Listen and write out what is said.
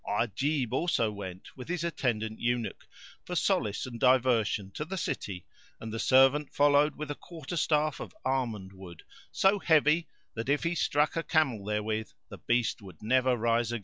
[FN#455] Ajib also went, with his attendant eunuch, for solace and diversion to the city and the servant followed with a quarter staff [FN#456] of almond wood so heavy that if he struck a camel therewith the beast would never rise again.